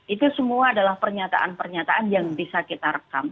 itu semua adalah pernyataan pernyataan yang bisa kita rekam